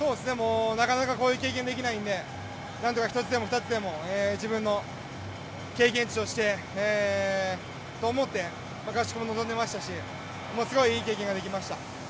なかなかこういう経験できないのでなんとか１つでも２つでも自分の経験値と思って合宿も臨んでいましたしすごいいい経験ができました。